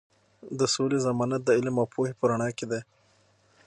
د سولې ضمانت د علم او پوهې په رڼا کې دی.